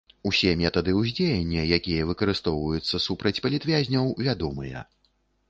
Усе метады ўздзеяння, якія выкарыстоўваюцца супраць палітвязняў, вядомыя.